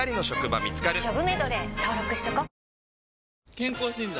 健康診断？